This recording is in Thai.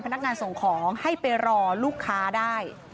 พนักงานส่งของให้ไปรอลูกค้าได้